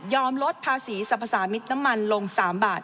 ลดภาษีสรรพสามิตรน้ำมันลง๓บาท